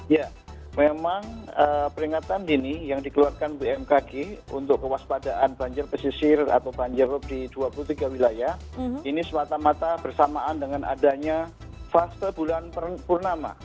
ya memang peringatan dini yang dikeluarkan bmkg untuk kewaspadaan banjir pesisir atau banjir rob di dua puluh tiga wilayah ini semata mata bersamaan dengan adanya fase bulan purnama